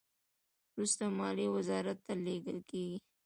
وروسته مالیې وزارت ته لیږل کیږي.